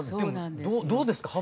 でもどうですか？